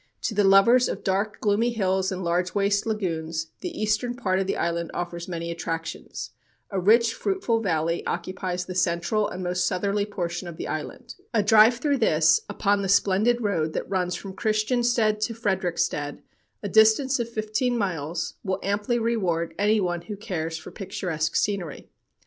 To the lovers of dark gloomy hills and large waste lagoons, the eastern part of the island offers many attractions. A rich, fruitful valley occupies the central and most southerly portion of the island. A drive through this, upon the splendid road that runs from Christiansted to Frederiksted, a distance of fifteen miles, will amply reward anyone who cares for picturesque scenery.